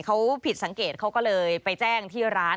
เขาผิดสังเกตเขาก็เลยไปแจ้งที่ร้าน